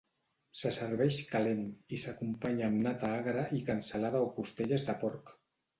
Se serveix calent i s'acompanya amb nata agra i cansalada o costelles de porc.